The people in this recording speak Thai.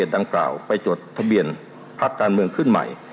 ดังกล่าวไปจดทะเบียนพักการเมืองขึ้นใหม่